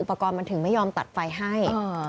อุปกรณ์มันถึงไม่ยอมตัดไฟให้